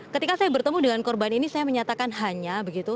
ketika saya bertemu dengan korban ini saya menyatakan hanya begitu